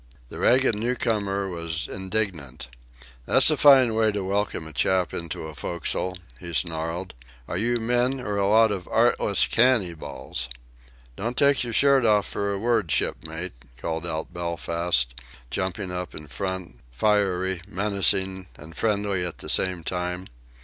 The ragged newcomer was indignant "That's a fine way to welcome a chap into a fo'c'sle," he snarled. "Are you men or a lot of 'artless canny bals?" "Don't take your shirt off for a word, shipmate," called out Belfast, jumping up in front, fiery, menacing, and friendly at the same time.